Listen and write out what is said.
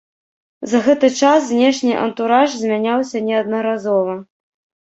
За гэты час знешні антураж змяняўся неаднаразова.